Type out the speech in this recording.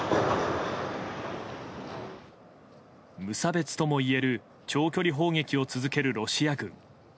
無差別ともいえる長距離砲撃を続けるロシア軍。